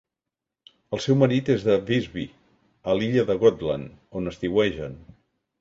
El seu marit és de Visby, a l'illa de Gotland, on estiuegen.